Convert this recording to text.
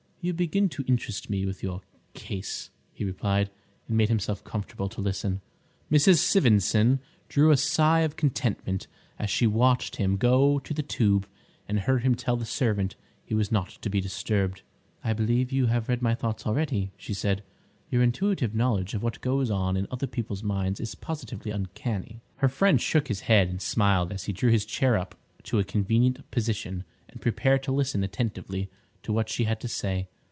"You begin to interest me with your 'case,'" he replied, and made himself comfortable to listen. Mrs. Sivendson drew a sigh of contentment as she watched him go to the tube and heard him tell the servant he was not to be disturbed. "I believe you have read my thoughts already," she said; "your intuitive knowledge of what goes on in other people's minds is positively uncanny." Her friend shook his head and smiled as he drew his chair up to a convenient position and prepared to listen attentively to what she had to say.